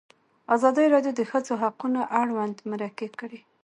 ازادي راډیو د د ښځو حقونه اړوند مرکې کړي.